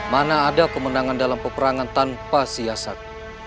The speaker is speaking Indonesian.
mana ada kemenangan dalam peperangan tanpa siasat